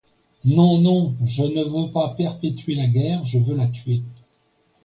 Non, non, je ne veux pas perpétuer la guerre, je veux la tuer.